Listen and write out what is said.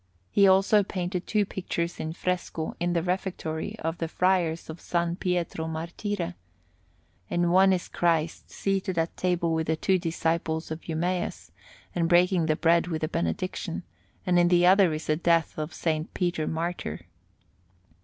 He also painted two pictures in fresco in the Refectory of the Friars of S. Pietro Martire: in one is Christ seated at table with the two disciples at Emmaus, and breaking the bread with a benediction, and in the other is the death of S. Peter Martyr.